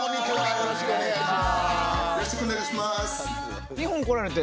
よろしくお願いします。